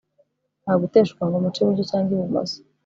nta guteshuka ngo muce iburyo cyangwa ibumoso